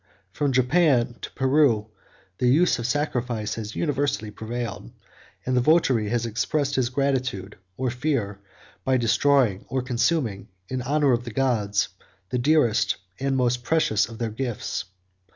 From Japan to Peru, the use of sacrifice has universally prevailed; and the votary has expressed his gratitude, or fear, by destroying or consuming, in honor of the gods, the dearest and most precious of their gifts.